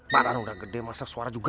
barang udah gede masa suara juga